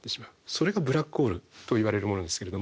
それがブラックホールといわれるものなんですけれども。